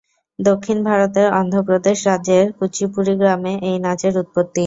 দক্ষিণ ভারতের অন্ধ্রপ্রদেশ রাজ্যের কুচিপুড়ি গ্রামে এই নাচের উৎপত্তি।